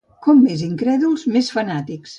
Com més incrèduls, més fanàtics.